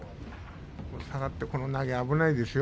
下がっていくと危ないですよ。